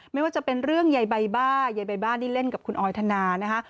ไม่ว่าจะเป็นเรื่องยายใบบ้ายายใบบ้านี่เล่นกับคุณออยธนานะคะ